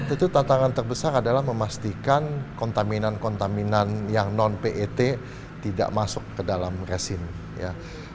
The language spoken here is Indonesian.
itu tantangan terbesar adalah memastikan kontaminan kontaminan yang non pet tidak masuk ke dalam resin ya